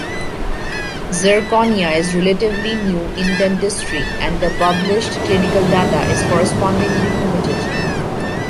Zirconia is relatively new in dentistry and the published clinical data is correspondingly limited.